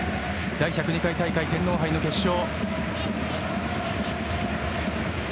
第１０２回大会天皇杯の決勝。